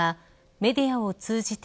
メディアを通じて